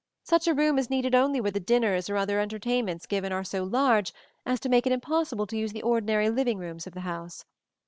Such a room is needed only where the dinners or other entertainments given are so large as to make it impossible to use the ordinary living rooms of the house.